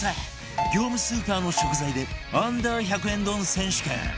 業務スーパーの食材で Ｕ−１００ 円丼選手権